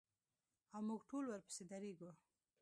او موږ ټول ورپسې درېږو.